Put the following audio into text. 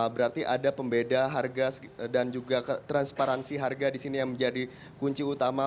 berarti ada pembeda harga dan juga transparansi harga di sini yang menjadi kunci utama